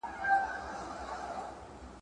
ماشومان هم قرباني شول.